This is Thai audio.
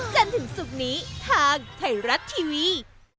จนถึงศุกร์นี้ทางไทยรัฐทีวี